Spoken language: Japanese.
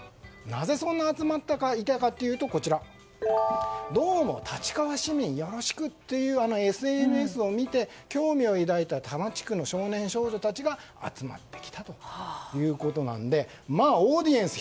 なぜそんなに集まっていたかというとどうも、立川市民よろしくというＳＮＳを見て興味を抱いた多摩地区の少年少女たちが集まってきたということなのでオーディエンス１００